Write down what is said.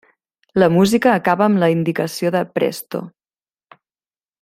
La música acaba amb la indicació de Presto.